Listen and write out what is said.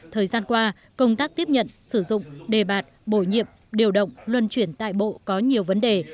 thời gian qua công tác tiếp nhận sử dụng đề bạt bổ nhiệm điều động luân chuyển tại bộ có nhiều vấn đề